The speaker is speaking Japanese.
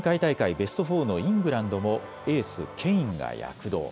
ベスト４のイングランドもエース、ケインが躍動。